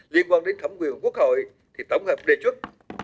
liên quan đến thẩm quyền của quốc hội thì tổng hợp đề chức